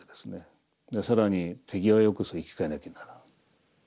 更に手際よくそれを生け替えなきゃならん。